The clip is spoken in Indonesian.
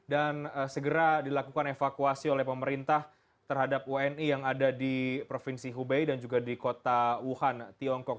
segera dilakukan evakuasi oleh pemerintah terhadap wni yang ada di provinsi hubei dan juga di kota wuhan tiongkok